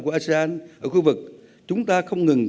của asean ở khu vực chúng ta không ngừng